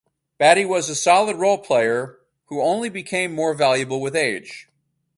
Battie was a solid role player who only became more valuable with age.